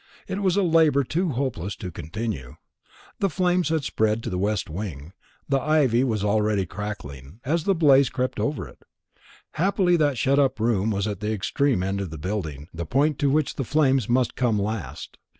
It was a labour too hopeless to continue. The flames had spread to the west wing. The ivy was already crackling, as the blaze crept over it. Happily that shut up room was at the extreme end of the building, the point to which the flames must come last.